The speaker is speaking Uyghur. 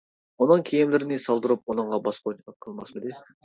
ئۇنىڭ كىيىملىرىنى سالدۇرۇپ ئۇنىڭغا باسقۇنچىلىق قىلماسمىدى.